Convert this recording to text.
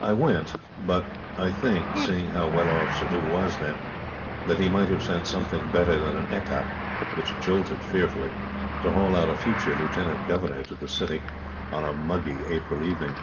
I went; but I think, seeing how well off Suddhoo was then, that he might have sent something better than an ekka, which jolted fearfully, to haul out a future Lieutenant Governor to the City on a muggy April evening.